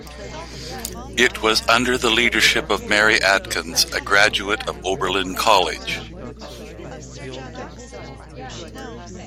It was under the leadership of Mary Atkins, a graduate of Oberlin College.